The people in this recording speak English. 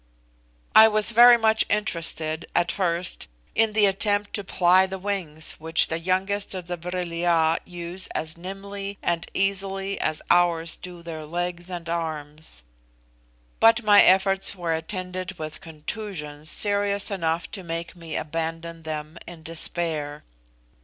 I was very much interested at first in the attempt to ply the wings which the youngest of the Vril ya use as nimbly and easily as ours do their legs and arms; but my efforts were attended with contusions serious enough to make me abandon them in despair.